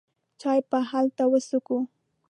چای به هلته وڅېښو.